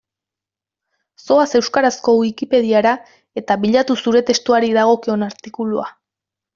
Zoaz euskarazko Wikipediara eta bilatu zure testuari dagokion artikulua.